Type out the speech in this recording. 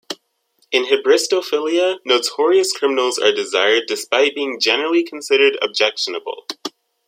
In hybristophilia, notorious criminals are desired despite being generally considered objectionable.